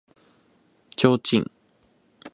提灯